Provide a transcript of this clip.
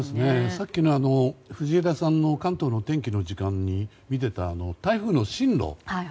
さっきの藤枝さんの関東のお天気の時間に見ていた台風の進路。